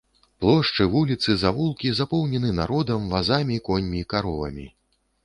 Плошчы, вуліцы, завулкі запоўнены народам, вазамі, коньмі, каровамі.